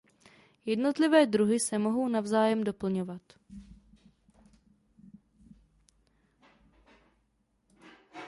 Jednotlivé druhy se mohly navzájem doplňovat.